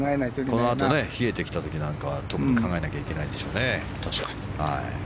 このあと冷えてきた時なんかは考えなきゃいけないでしょうね。